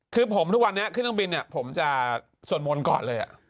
คือผมทุกวันนี้ขึ้นเครื่องบินเนี่ยผมจะสวดมนต์ก่อนเลย